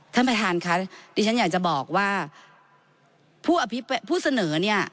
ท่านประธานค่ะดิฉันอยากจะบอกว่าผู้อภิผู้เสนอเนี่ย